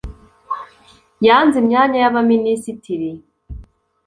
yanze imyanya y abaminisitiri